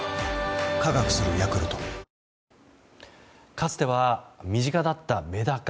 かつては身近だったメダカ。